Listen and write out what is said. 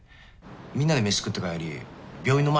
みんなで飯食った帰り病院の前通ったのさ。